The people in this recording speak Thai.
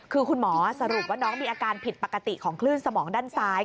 คือคุณหมอสรุปว่าน้องมีอาการผิดปกติของคลื่นสมองด้านซ้าย